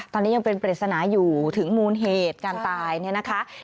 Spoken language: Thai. ตอนนี้ยังเป็นปริศนาอยู่ถึงมูลเหตุการตายเนี่ยนะคะ